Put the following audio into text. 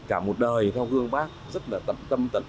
cả một đời theo gương bác rất là tâm